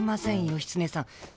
義経さん。